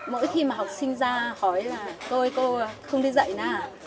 mỗi khi mà học sinh ra hỏi là cô ơi cô không đi dạy nào